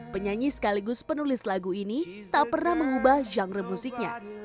penyanyi sekaligus penulis lagu ini tak pernah mengubah genre musiknya